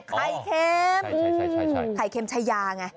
ไข่เค็มใช่ใช่ใช่ใช่ใช่ไข่เค็มชายาไง